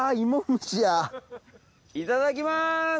いただきます！